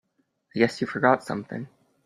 I guess you forgot something.